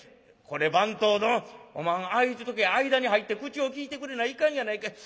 これ番頭どんおまはんああいった時は間に入って口をきいてくれないかんやないかい。